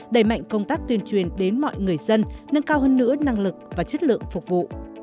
đẩy mạnh công tác tuyên truyền đến mọi người dân nâng cao hơn nữa năng lực và chất lượng phục vụ